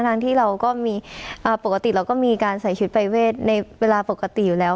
ทั้งที่เราก็มีปกติเราก็มีการใส่ชุดปรายเวทในเวลาปกติอยู่แล้ว